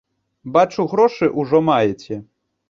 Бачу, грошы ўжо маеце.